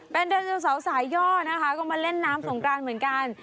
เป็นไดโนเสาร์สายย่อนะคะก็มาเล่นน้ำสงกรานเหมือนกัน